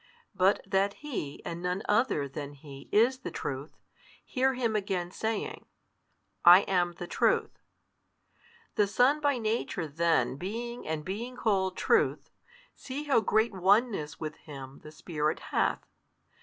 But that He and none other than He is the Truth, hear Him again saying, I am the Truth. The Son by Nature then being and being called Truth, see how great Oneness with Him the Spirit hath.